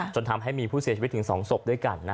จนทำให้มีผู้เสียชีวิตถึง๒ศพด้วยกัน